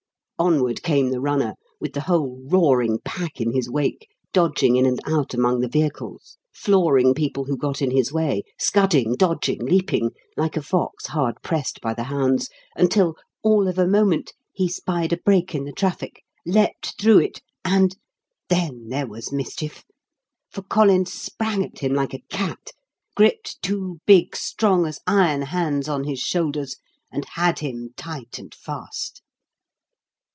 Onward came the runner, with the whole roaring pack in his wake, dodging in and out among the vehicles, "flooring" people who got in his way, scudding, dodging, leaping, like a fox hard pressed by the hounds until, all of a moment he spied a break in the traffic, leapt through it, and then there was mischief. For Collins sprang at him like a cat, gripped two big, strong as iron hands on his shoulders, and had him tight and fast.